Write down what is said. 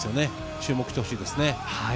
注目してほしいですね。